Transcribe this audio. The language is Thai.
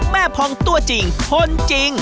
แม่พองตัวจริงพ้นจริง